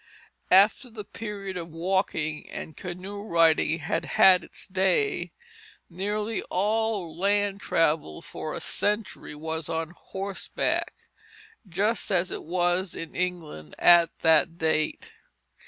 After the period of walking and canoe riding had had its day, nearly all land travel for a century was on horseback, just as it was in England at that date.